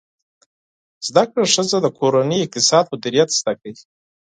زده کړه ښځه د کورني اقتصاد مدیریت زده کوي.